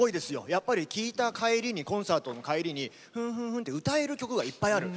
やっぱり聴いた帰りにコンサートの帰りにフンフンフンって歌える曲がいっぱいある。